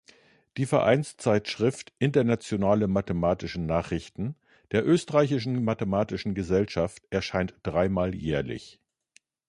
Die Vereinszeitschrift "Internationale Mathematische Nachrichten" der Österreichischen Mathematischen Gesellschaft erscheint drei Mal jährlich.